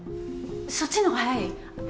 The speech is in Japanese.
そっちのほうが早い？